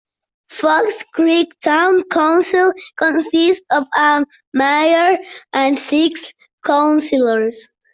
Fox Creek Town Council consists of a mayor and six councilors.